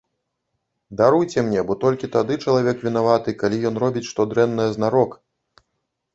Даруйце мне, бо толькі тады чалавек вінаваты, калі ён робіць што дрэннае знарок.